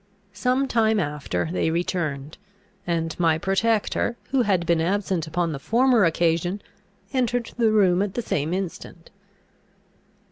Some time after they returned; and my protector, who had been absent upon the former occasion, entered the room at the same instant.